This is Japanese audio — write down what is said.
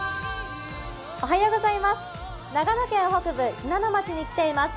長野県北部、信濃町に来ています。